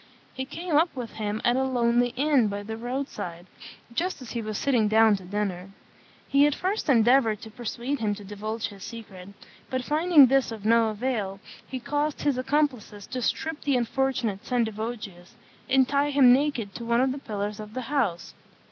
He came up with him at a lonely inn by the road side, just as he was sitting down to dinner. He at first endeavoured to persuade him to divulge the secret; but finding this of no avail, he caused his accomplices to strip the unfortunate Sendivogius and tie him naked to one of the pillars of the house.